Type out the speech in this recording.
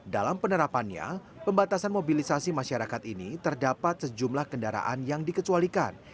dalam penerapannya pembatasan mobilisasi masyarakat ini terdapat sejumlah kendaraan yang dikecualikan